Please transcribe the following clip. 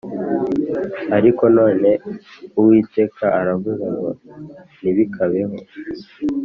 ariko none Uwiteka aravuze ngo Ntibikabeho